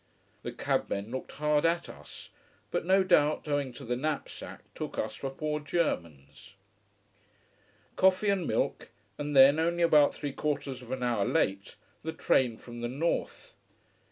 The cab men looked hard at us: but no doubt owing to the knapsack, took us for poor Germans. Coffee and milk and then, only about three quarters of an hour late, the train from the north.